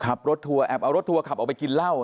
ทัวร์แอบเอารถทัวร์ขับออกไปกินเหล้า